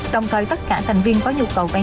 đồng thời tất cả thành viên có nhu cầu vay